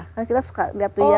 kan kita suka lihat tuh ya